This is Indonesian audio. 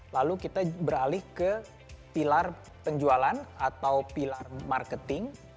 lalu kita beralih ke pilar penjualan atau pilar marketing